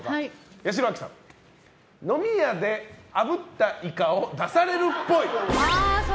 八代亜紀さん、飲み屋であぶったイカを出されるっぽい。